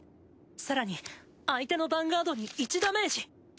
更に相手のヴァンガードに１ダメージ！